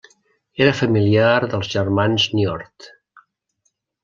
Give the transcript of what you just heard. Era familiar dels germans Niort.